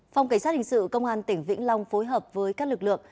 phòng cảnh sát hình sự công an tỉnh vĩnh long phối hợp với các lực lượng